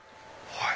はい。